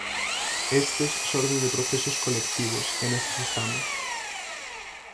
Estes xorden de procesos colectivos, e nesas estamos.